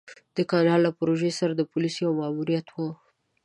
د کانال له پروژې سره د پوليسو يو ماموريت و.